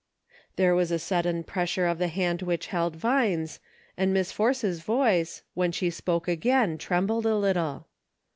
There was a sudden pressure of the hand which held Vine's, and Miss Force's voice, when she spoke again, trembled a little.